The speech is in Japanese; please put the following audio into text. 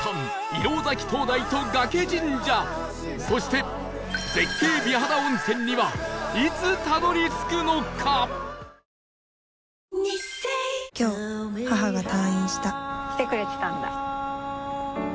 そして絶景美肌温泉にはいつたどり着くのか？のれんが？